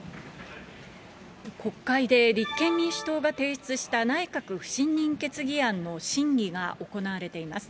国会で立憲民主党が提出した、内閣不信任決議案の審議が行われています。